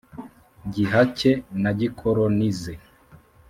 gihake na gikolonize.